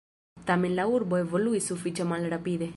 Tamen la urbo evoluis sufiĉe malrapide.